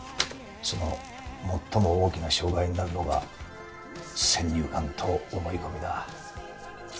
その最も大きな障害になるのが先入観と思い込みだ。